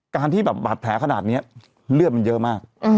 ที่แบบบาดแผลขนาดนี้เลือดมันเยอะมาก